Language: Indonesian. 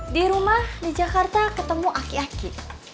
di rumah di jakarta ketemu aki aki